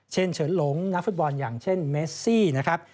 เฉินหลงนักฟุตบอลอย่างเช่นเมซี่นะครับ